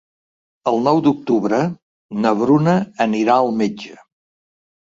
El nou d'octubre na Bruna anirà al metge.